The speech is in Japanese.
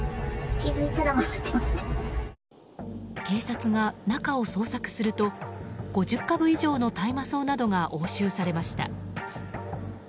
警察が中を捜索すると５０株以上の大麻草などが押収されました。